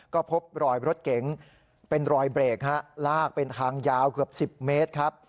ก็พบรอยรถเก๋งเป็นรอยเบรกฮะลากเป็นทางยาวเกือบ๑๐เมตรครับ